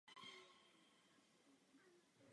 K obětem došlo i mezi civilním obyvatelstvem.